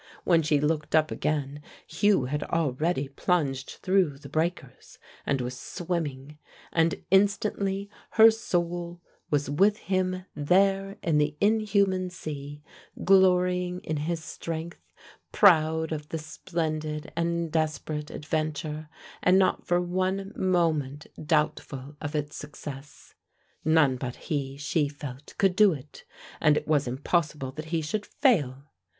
When she looked up again Hugh had already plunged through the breakers, and was swimming, and instantly her soul was with him there in the inhuman sea, glorying in his strength, proud of the splendid and desperate adventure, and not for one moment doubtful of its success. None but he, she felt, could do it, and it was impossible that he should fail.